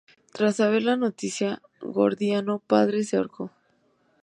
Tras saber la noticia, Gordiano padre se ahorcó.